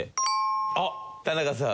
あっ田中さん。